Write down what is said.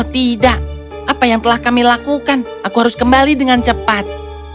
tidak apa yang telah kami lakukan aku harus kembali dengan cepat